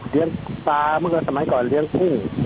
ปลาเมื่อสมัยก่อนเลี้ยงกุ้ง